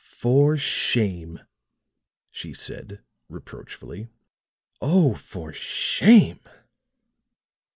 "For shame," she said, reproachfully. "Oh, for shame!"